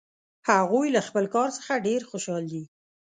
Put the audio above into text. هغوی له خپل کار څخه ډېر خوشحال دي